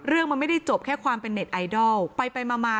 เรื่องมันไม่ได้จบแค่ความเป็นเน็ตไอดอลไปไปมามา